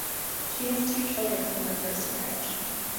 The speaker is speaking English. She has two children from her first marriage.